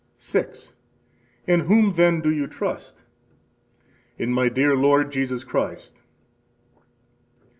6. In whom then do you trust? In my dear Lord Jesus Christ.